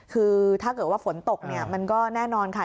คือถ้าเกิดว่าฝนตกเนี่ยมันก็แน่นอนค่ะ